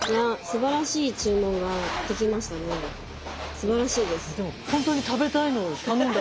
すばらしいです。